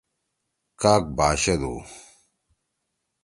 کاگ باشَدُو۔